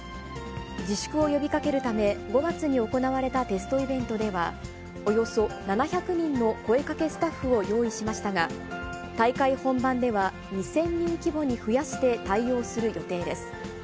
自粛を呼びかけるため、５月に行われたテストイベントでは、およそ７００人の声かけスタッフを用意しましたが、大会本番では２０００人規模に増やして対応する予定です。